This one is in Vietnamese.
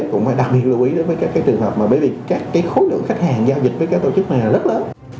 cũng phải đặc biệt lưu ý với các trường hợp mà bởi vì các khối lượng khách hàng giao dịch với các tổ chức này là rất lớn